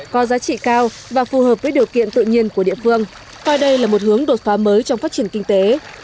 có giá trị cao và phù hợp với điều kiện tự nhiên của địa phương coi đây là một hướng đột phá mới trong phát triển kinh tế